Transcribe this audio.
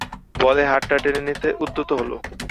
বলে হাতটা টেনে নিতে উদ্যত হল।